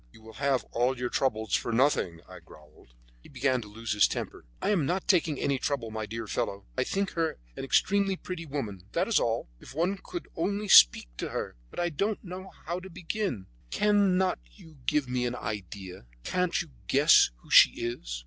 "You will have all your trouble for nothing," I growled. He began to lose his temper. "I am not taking any trouble, my dear fellow. I think her an extremely pretty woman, that is all. If one could only speak to her! But I don't know how to begin. Cannot you give me an idea? Can't you guess who she is?"